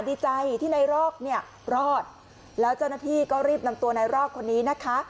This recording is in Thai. ดีใจที่ในรอกเนี่ยรอดแล้วเจ้าหน้าที่ก็รีบนำตัวนายรอกคนนี้นะคะ